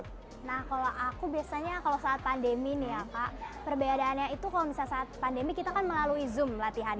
nah kalau aku biasanya kalau saat pandemi nih ya kak perbedaannya itu kalau misalnya saat pandemi kita kan melalui zoom latihan